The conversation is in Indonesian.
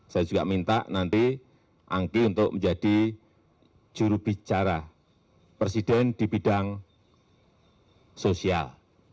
saya juga minta nanti angki untuk menjadi jurubicara presiden di bidang sosial